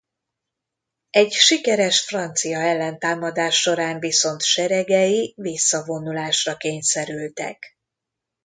Egy sikeres francia ellentámadás során viszont seregei visszavonulásra kényszerültek.